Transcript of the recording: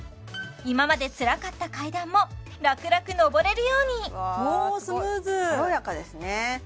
今までつらかった階段も楽々上れるようにおおスムーズすごい軽やかですね